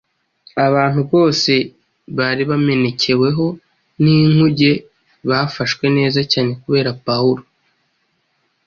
Abantu bose bari bamenekeweho n’inkuge bafashwe neza cyane kubera Pawulo;